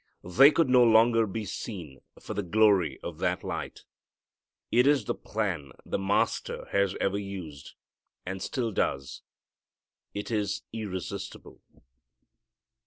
They could no longer be seen for the glory of that light. It is the plan the Master has ever used, and still does. It is irresistible.